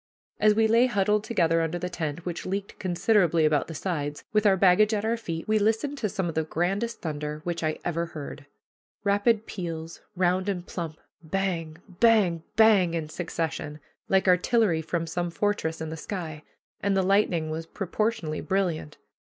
As we lay huddled together under the tent, which leaked considerably about the sides, with our baggage at our feet, we listened to some of the grandest thunder which I ever heard rapid peals, round and plump, bang, bang, bang, in succession, like artillery from some fortress in the sky; and the lightning was proportionally brilliant.